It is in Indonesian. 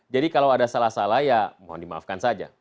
jadi kalau ada salah salah ya mohon dimaafkan saja